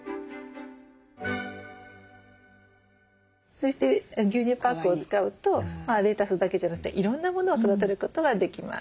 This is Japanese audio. そして牛乳パックを使うとレタスだけじゃなくていろんなものを育てることができます。